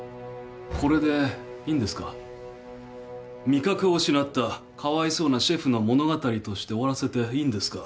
味覚を失ったかわいそうなシェフの物語として終わらせていいんですか？